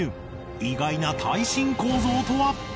意外な耐震構造とは！？